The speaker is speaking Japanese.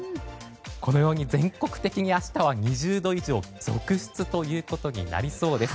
このように全国的に明日は２０度以上が続出となりそうです。